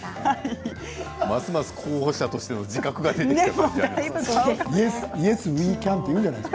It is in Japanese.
ますます候補者としての自覚が出てきました。